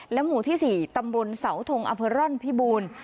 หมู่ที่๔ตำบลเสาทงอำเภอร่อนพิบูรณ์